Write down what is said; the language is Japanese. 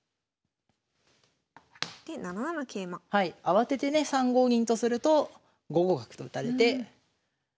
慌ててね３五銀とすると５五角と打たれて。